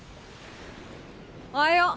おはよう。